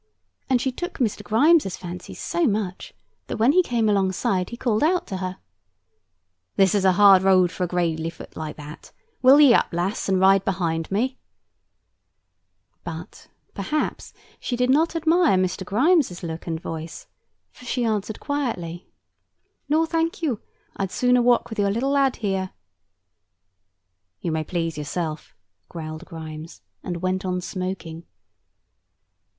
And she took Mr. Grimes' fancy so much, that when he came alongside he called out to her: [Picture: The poor Irishwomen] "This is a hard road for a gradely foot like that. Will ye up, lass, and ride behind me?" But, perhaps, she did not admire Mr. Grimes' look and voice; for she answered quietly: "No, thank you: I'd sooner walk with your little lad here." "You may please yourself," growled Grimes, and went on smoking.